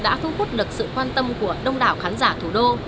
đã thu hút được sự quan tâm của đông đảo khán giả thủ đô